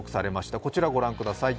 こちらご覧ください。